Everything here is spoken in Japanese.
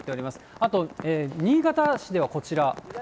あと、新潟市ではこちら。